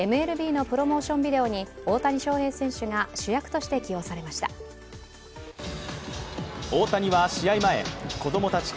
ＭＬＢのプロモーションビデオに大谷翔平選手が主役として起用されました。